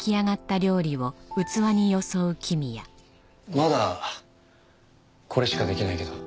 まだこれしかできないけど。